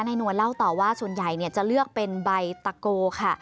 นวลเล่าต่อว่าส่วนใหญ่จะเลือกเป็นใบตะโกค่ะ